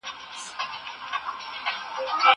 زه پرون لاس پرېولم وم!!